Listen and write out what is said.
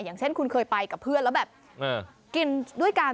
อย่างเช่นคุณเคยไปกับเพื่อนแล้วแบบกินด้วยกัน